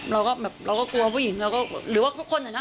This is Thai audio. เราก็แบบเราก็กลัวผู้หญิงเราก็หรือว่าทุกคนอะนะ